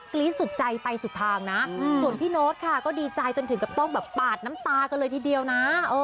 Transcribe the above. รี๊ดสุดใจไปสุดทางนะส่วนพี่โน๊ตค่ะก็ดีใจจนถึงกับต้องแบบปาดน้ำตากันเลยทีเดียวนะ